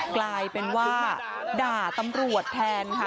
กลายเป็นว่าด่าตำรวจแทนค่ะ